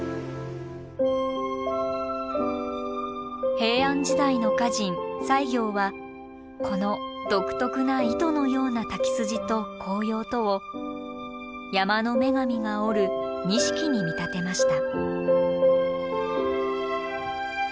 平安時代の歌人西行はこの独特な糸のような滝筋と紅葉とを山の女神が織る錦に見立てました。